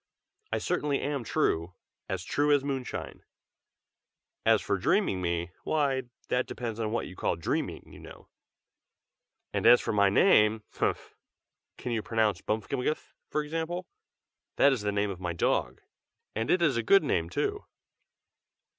"I certainly am true, as true as moonshine. As for dreaming me, why, that depends on what you call dreaming, you know. And as for my name humph! can you pronounce Bmfkmgth, for example? that is the name of my dog, and it is a good name, too."